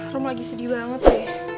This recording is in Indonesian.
rum lagi sedih banget ya